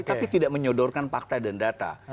tapi tidak menyodorkan fakta dan data